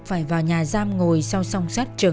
phải vào nhà giam ngồi sau song sát trường